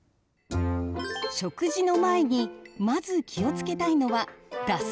食事の前にまず気をつけたいのは脱水症状です。